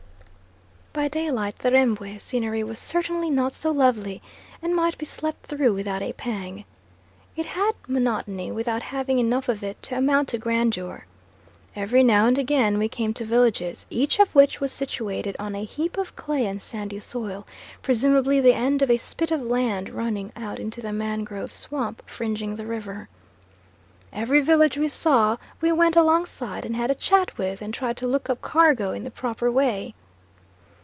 By daylight the Rembwe scenery was certainly not so lovely, and might be slept through without a pang. It had monotony, without having enough of it to amount to grandeur. Every now and again we came to villages, each of which was situated on a heap of clay and sandy soil, presumably the end of a spit of land running out into the mangrove swamp fringing the river. Every village we saw we went alongside and had a chat with, and tried to look up cargo in the proper way.